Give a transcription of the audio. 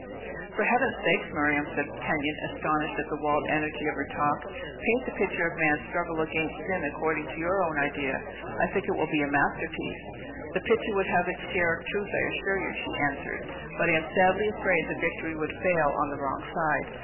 "For Heaven's sake, Miriam," cried Kenyon, astonished at the wild energy of her talk; "paint the picture of man's struggle against sin according to your own idea! I think it will be a masterpiece." "The picture would have its share of truth, I assure you," she answered; "but I am sadly afraid the victory would fail on the wrong side.